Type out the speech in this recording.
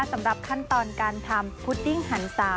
สำหรับขั้นตอนการทำพุดดิ้งหันศา